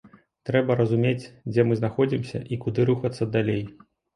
Трэба разумець, дзе мы знаходзімся і куды рухацца далей.